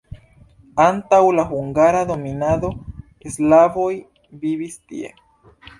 Antaŭ la hungara dominado slavoj vivis tie.